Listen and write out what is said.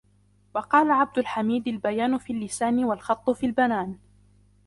وَقَالَ عَبْدُ الْحَمِيدِ الْبَيَانُ فِي اللِّسَانِ وَالْخَطُّ فِي الْبَنَانِ